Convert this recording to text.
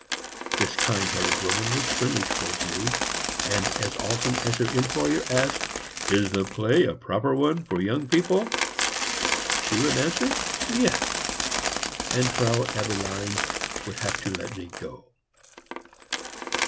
This kind hearted woman was friendly towards me, and as often as her employer asked, "Is the play a proper one for young people?" she would answer, "Yes," and Frau Eberlein would have to let me go.